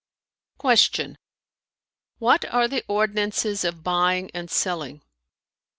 '[FN#328]" Q "What are the ordinances of buying and selling?"